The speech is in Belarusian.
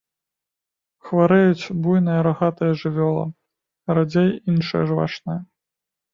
Хварэюць буйная рагатая жывёла, радзей іншыя жвачныя.